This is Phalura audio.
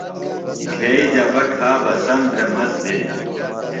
گھئی جبہ کھا بہ سم بھےۡ مست بھینیۡ۔